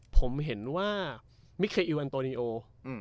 ผมเห็นว่ามิเคอิลอันโตเนโยอืม